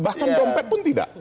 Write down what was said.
bahkan dompet pun tidak